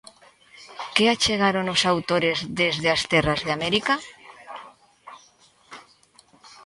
Que achegaron os autores desde as terras de América?